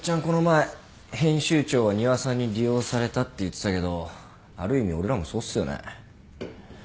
この前「編集長は仁和さんに利用された」って言ってたけどある意味俺らもそうっすよね。